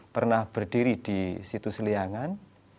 pernah berdiri di situs liangan